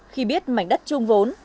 khi biết mảnh đất chung vốn